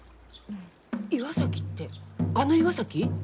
岩崎ってあの岩崎？